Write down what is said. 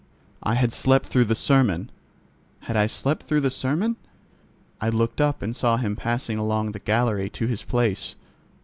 I had slept through the sermon. Had I slept through the sermon? I looked up and saw him passing along the gallery to his place.